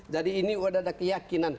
jadi ini sudah ada keyakinan